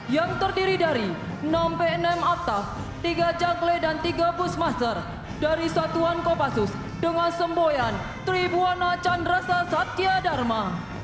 yang terdiri dari enam pnm akta tiga jakle dan tiga busmaster dari satuan kopassus dengan semboyan tribuana chandrasa satya dharma